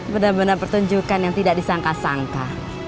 benar benar pertunjukan yang tidak disangka sangka